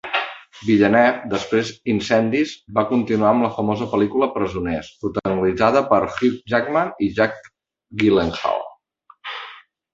Villeneuve, després "Incendis", va continuar amb la famosa pel·lícula "Presoners", protagonitzada per Hugh Jackman i Jake Gyllenhaal.